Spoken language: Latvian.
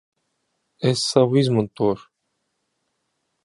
Es savu izmantošu.